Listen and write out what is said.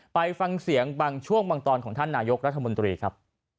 ไปฟังเสียงบางช่วงบางตอนของท่านนายกรัฐมนตรีครับ